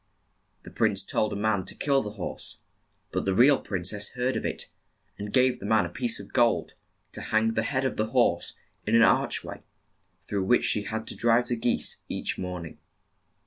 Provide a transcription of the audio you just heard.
The prince told a man to kill the horse, but the real prin cess heard of it, and gave the man a piece of gold to hang the head of the horse in an arch way through which she had to drive the geese each morn ing.